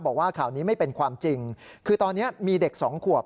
บอกว่าข่าวนี้ไม่เป็นความจริงคือตอนนี้มีเด็กสองขวบ